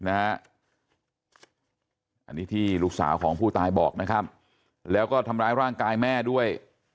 อันนี้ที่ลูกสาวของผู้ตายบอกนะครับแล้วก็ทำร้ายร่างกายแม่ด้วย